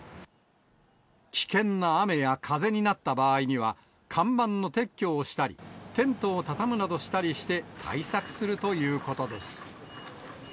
危険な雨や風になった場合には、看板の撤去をしたり、テントを畳むなどしたりして、対策するということです。